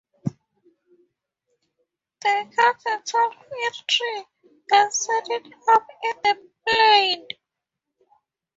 They cut a tall fir-tree and set it up in the plain.